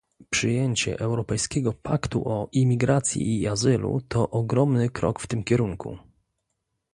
Przyjęcie Europejskiego paktu o imigracji i azylu to ogromny krok w tym kierunku